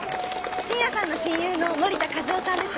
信也さんの親友の盛田和夫さんです。